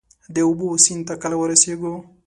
د اوبو، سیند ته کله ورسیږو؟